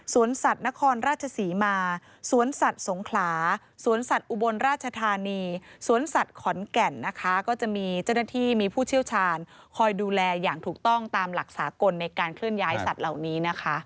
สัตว์นครราชศรีมาสวนสัตว์สงขลาสวนสัตว์อุบลราชธานีสวนสัตว์ขอนแก่นนะคะก็จะมีเจ้าหน้าที่มีผู้เชี่ยวชาญคอยดูแลอย่างถูกต้องตามหลักสากลในการเคลื่อนย้ายสัตว์เหล่านี้นะคะ